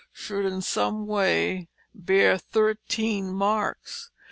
should in some way bear thirteen marks.